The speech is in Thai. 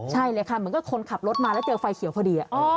ใช่เลยค่ะเหมือนกับคนขับรถมาแล้วเจอไฟเขียวพอดี